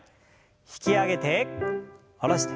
引き上げて下ろして。